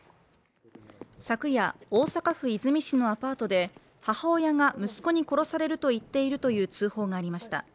昨夜、大阪府和泉市のアパートで母親が息子に殺されると言っているという通報がありました。